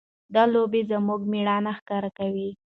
دا لوبې زموږ مېړانه ښکاره کوي.